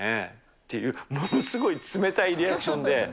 っていうものすごい冷たいリアクションで。